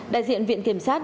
đại diện viện kiểm tra